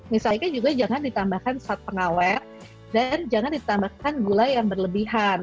misalnya juga jangan ditambahkan saat pengawet dan jangan ditambahkan gula yang berlebihan